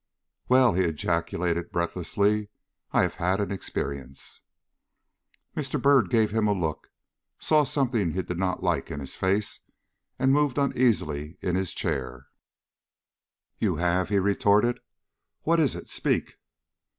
"Well!" he ejaculated, breathlessly, "I have had an experience." Mr. Byrd gave him a look, saw something he did not like in his face, and moved uneasily in his chair. "You have?" he retorted. "What is it? Speak."